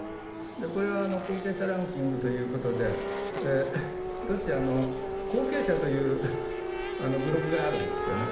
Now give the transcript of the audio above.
これは後継者ランキングということでロシアの後継者というブログがあるんですよね。